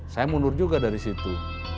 saya mundur juga dari situ